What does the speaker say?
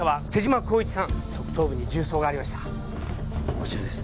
こちらです。